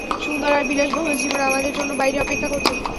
সুন্দর আর বিলাসবহুল জীবন, আমাদের জন্য বাইরে অপেক্ষা করছে।